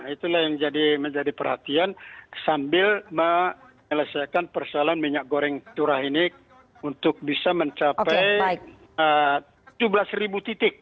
itulah yang menjadi perhatian sambil menyelesaikan persoalan minyak goreng curah ini untuk bisa mencapai tujuh belas ribu titik